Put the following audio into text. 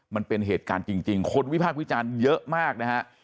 มันเป็นเหตุการณ์จริงคนวิพากษ์วิจารณ์เยอะมากนะฮะ